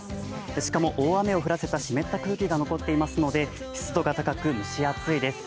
しかも大雨を降らせた湿った空気が残っていますので、湿度が高く蒸し暑いです。